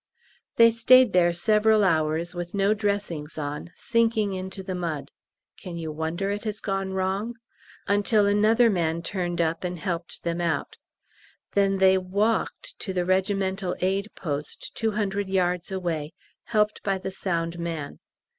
They stayed there several hours with no dressings on, sinking into the mud (can you wonder it has gone wrong?), until another man turned up and helped them out; then they walked to the Regimental Aid Post, 200 yards away, helped by the sound man.